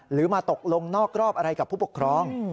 หรือมาตกลงนอกรอบอะไรกับผู้ปกครอง